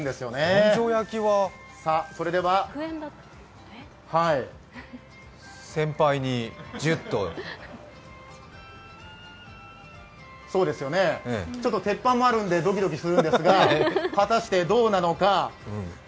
根性焼きは、先輩にジュッとそうですよね、鉄板もあるのでドキドキするんですが、果たしてどうなのか？